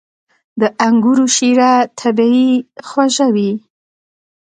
• د انګورو شیره طبیعي خوږه وي.